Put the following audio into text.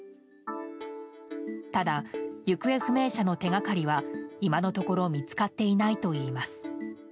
ただ、行方不明者の手掛かりは今のところ見つかっていないといいます。